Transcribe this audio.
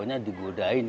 rasanya seperti digodain